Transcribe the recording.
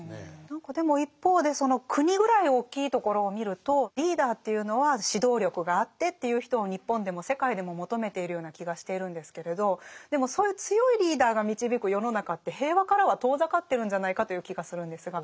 何かでも一方でその国ぐらい大きいところを見るとリーダーというのは指導力があってっていう人を日本でも世界でも求めているような気がしているんですけれどでもそういう強いリーダーが導く世の中って平和からは遠ざかってるんじゃないかという気がするんですが。